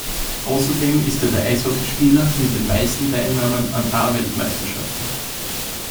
Außerdem ist er der Eishockeyspieler mit den meisten Teilnahmen an A-Weltmeisterschaften.